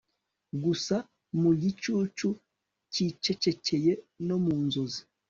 gusa mu gicucu cyicecekeye no mu nzozi